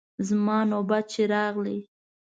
زما نوبت چې راغی.